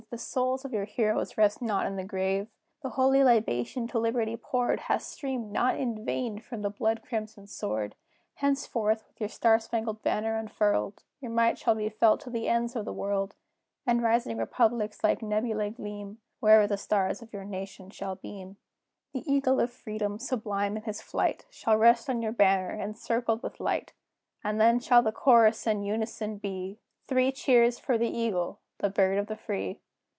The souls of your heroes rest not in the grave: The holy libation to Liberty poured, Hath streamed, not in vain, from the blood crimsoned sword. Henceforth, with your Star Spangled Banner unfurled, Your might shall be felt to the ends of the world, And rising Republics, like nebulæ, gleam, Wherever the stars of your nation shall beam. CHORUS. The Eagle of Freedom, sublime in his flight, Shall rest on your banner, encircled with light; And then shall the chorus, in unison be, Three cheers for the Eagle, the Bird of the Free!